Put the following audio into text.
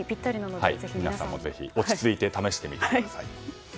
皆さん、ぜひ落ち着いて試してみてください。